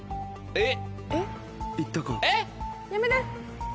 えっ！